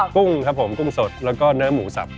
กุ้งครับผมกุ้งสดแล้วก็เนื้อหมูสับ